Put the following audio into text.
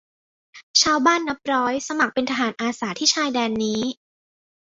ชาวบ้านนับร้อยสมัครเป็นทหารอาสาที่ชายแดนนี้